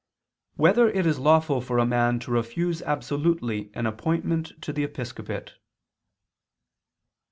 2] Whether It Is Lawful for a Man to Refuse Absolutely an Appointment to the Episcopate?